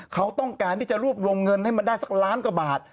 เขาต้องการที่จะรวบรวมเงินให้มันได้สักล้านกว่าบาท